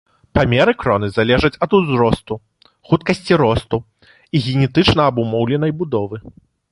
Памеры кроны залежаць ад узросту, хуткасці росту і генетычна абумоўленай будовы.